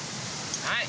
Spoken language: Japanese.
はい。